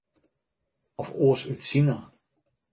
Of oars út Sina.